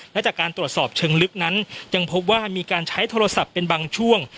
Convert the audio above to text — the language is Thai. และจากการตรวจสอบเชิงลึกนั้นยังพบว่ามีการใช้โทรศัพท์เป็นบางช่วง